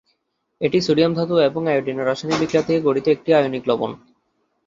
এটি সোডিয়াম ধাতু এবং আয়োডিনের রাসায়নিক বিক্রিয়া থেকে গঠিত একটি আয়নিক লবণ।